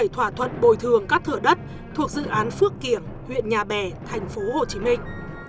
một trăm bốn mươi bảy thỏa thuận bồi thường cắt thửa đất thuộc dự án phước kiểm huyện nhà bè thành phố hồ chí minh